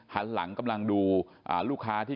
หันหลังกำลังดูลูกค้าที่